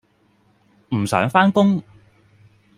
唔想返工